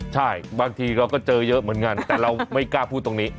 ใช่บางทีเราก็เจอเยอะเหมือนกันแต่เราไม่กล้าพูดตรงนี้